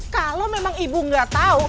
kalau memang ibu nggak tahu